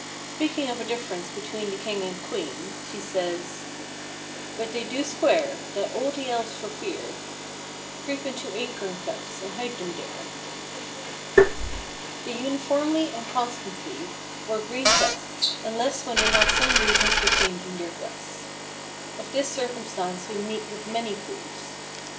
Speaking of a difference between the king and queen, she says:— "But they do square; that all the elves for fear Creep into acorn cups, and hide them there." They uniformly and constantly wore green vests, unless when they had some reason for changing their dress. Of this circumstance we meet with many proofs.